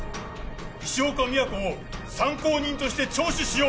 石岡美也子を参考人として聴取しよう